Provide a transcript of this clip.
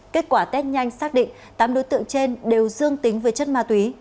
kết quả test nhanh xác định tám đối tượng trên đều dương tính với chất ma túy